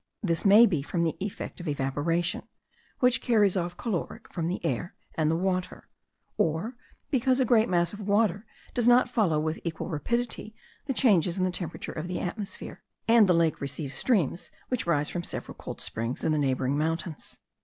This may be from the effect of evaporation, which carries off caloric from the air and the water; or because a great mass of water does not follow with an equal rapidity the changes in the temperature of the atmosphere, and the lake receives streams which rise from several cold springs in the neighbouring mountains.